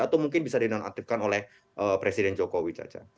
atau mungkin bisa dinonaktifkan oleh presiden jokowi caca